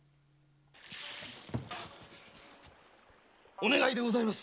お願いでございます！